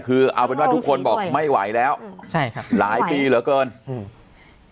คือเอาเป็นว่าทุกคนบอกไม่ไหวแล้วใช่ครับหลายปีเหลือเกินอืม